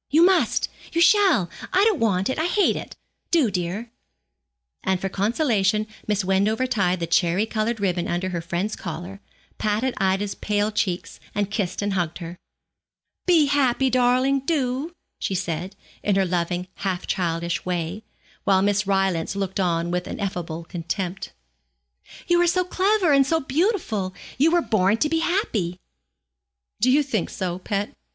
'You must, you shall; I don't want it; I hate it. Do, dear.' And for consolation Miss Wendover tied the cherry coloured ribbon under her friend's collar, patted Ida's pale cheeks, and kissed and hugged her. 'Be happy, darling, do,' she said, in her loving half childish way, while Miss Rylance looked on with ineffable contempt. 'You are so clever and so beautiful; you were born to be happy.' 'Do you think so, pet?'